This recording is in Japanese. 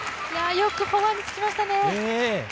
よくフォアに突きましたね。